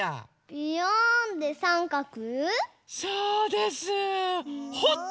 ビヨーンでさんかく。